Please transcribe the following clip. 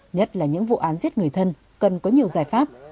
nhất là những vụ án giết người thân cần có nhiều giải pháp